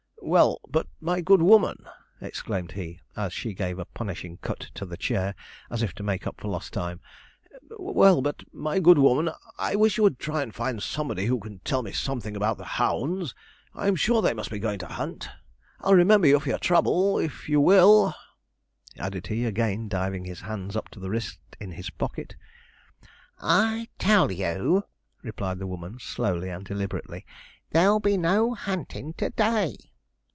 'Well, but, my good woman,' exclaimed he, as she gave a punishing cut at the chair, as if to make up for lost time; 'well, but, my good woman, I wish you would try and find somebody who can tell me something about the hounds. I'm sure they must be going to hunt. I'll remember you for your trouble, if you will,' added he, again diving his hand up to the wrist in his pocket. 'I tell you,' replied the woman slowly and deliberately, 'there'll be no huntin' to day.